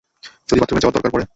যদি বাথরুমে যাওয়ার দরকার পড়ে?